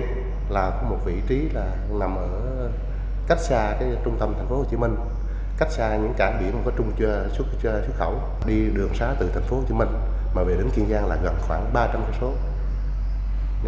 kiên giang là một vị trí nằm ở cách xa trung tâm tp hcm cách xa những cảng biển có trung truyền xuất khẩu đi đường xá từ tp hcm mà về đến kiên giang là gần khoảng ba trăm linh km